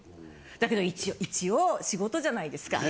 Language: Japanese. だけど一応仕事じゃないですか。